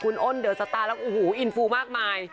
อ้อนเดอร์สตาร์แล้วอูหูอินฟูมากมาย